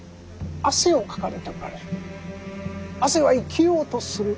汗をかかれておられる。